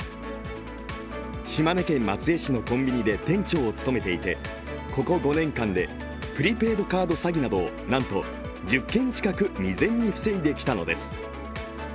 島根県松江市のコンビニで店長を務めていて、ここ５年間でプリペイドカード詐欺などなんと１０件近く未然に防いでいたのです。